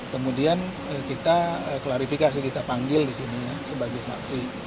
kemudian kita klarifikasi kita panggil di sini sebagai saksi